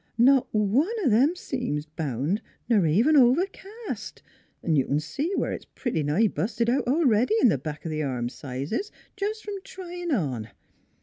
" Not one o' them seams bound n'r even overcast; 'n' you c'n see where it's pretty nigh busted out a'ready in the back o' th' arm sizes, jes' from tryin' on.